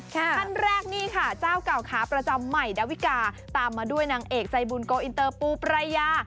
ท่านแรกนี่ค่ะเจ้าเก่าขาประจำใหม่ดาวิกาตามมาด้วยนางเอกใจบุญโกอินเตอร์ปูปรายา